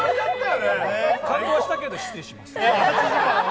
感動はしたけど、失礼します